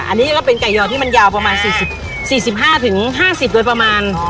อันนี้ก็เป็นไก่ยอที่มันยาวประมาณ๔๕๕๐โดยประมาณ